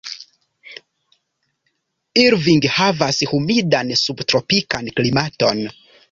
Irving havas humidan subtropikan klimaton.